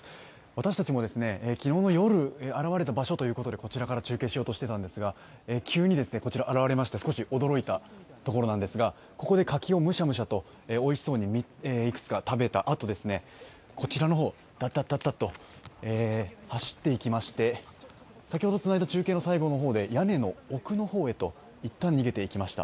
私たちも昨日の夜、現れた場所ということでこちらから中継しようとしてたんですが、急にこちら現れまして、少し驚いたところなんですがここで柿をむしゃむしゃとおいしそうにいくつか食べたあと、こちらの方、タッタッタッと走っていきまして、先ほどつないだ中継の最後の方で、屋根の奥の方へといったん逃げていきました。